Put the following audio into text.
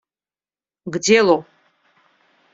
К делу!